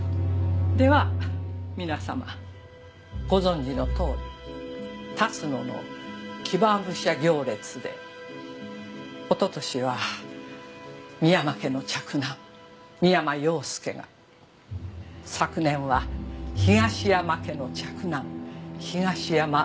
では皆さまご存じのとおり龍野の騎馬武者行列でおととしは三山家の嫡男三山陽介が昨年は東山家の嫡男東山栄治が亡くなりました。